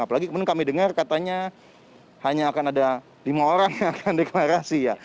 apalagi kemudian kami dengar katanya hanya akan ada lima orang yang akan deklarasi ya